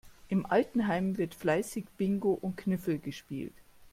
Im Altenheim wird fleißig Bingo und Kniffel gespielt.